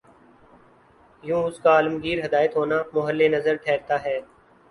یوں اس کا عالمگیر ہدایت ہونا محل نظر ٹھہرتا ہے۔